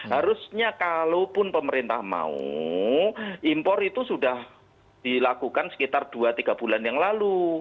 harusnya kalaupun pemerintah mau impor itu sudah dilakukan sekitar dua tiga bulan yang lalu